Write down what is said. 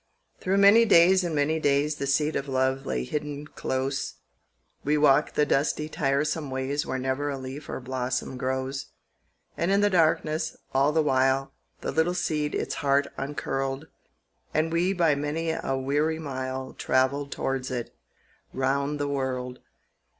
THROUGH many days and many days The seed of love lay hidden close; We walked the dusty tiresome ways Where never a leaf or blossom grows. And in the darkness, all the while, The little seed its heart uncurled, And we by many a weary mile Travelled towards it, round the world.